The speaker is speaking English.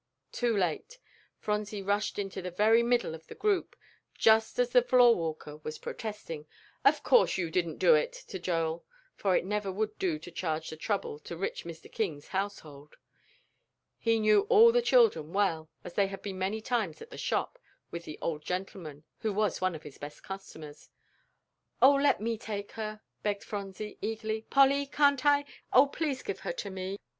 Too late! Phronsie rushed into the very middle of the group, just as the floor walker was protesting, "Of course you didn't do it," to Joel, for it never would do to charge the trouble to rich Mr. King's household. He knew all the children well, as they had been many times at the shop with the old gentleman, who was one of its best customers. "Oh, let me take her," begged Phronsie, eagerly. "Polly, can't I? Oh, please give her to me!"